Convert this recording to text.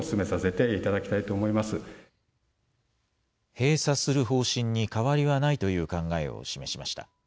閉鎖する方針に変わりはないという考えを示しました。